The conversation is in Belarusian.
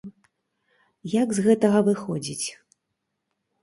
Як з гэтага выходзіць?